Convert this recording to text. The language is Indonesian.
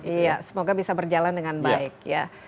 iya semoga bisa berjalan dengan baik ya